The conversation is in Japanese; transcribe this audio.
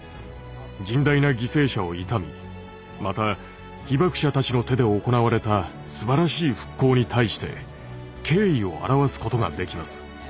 甚大な犠牲者を悼みまた被爆者たちの手で行われたすばらしい復興に対して敬意を表すことができます。